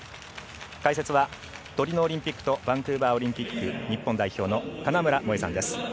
解説はトリノオリンピックとバンクーバーオリンピック日本代表の金村萌絵さんです。